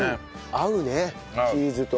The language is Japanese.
合うねチーズと。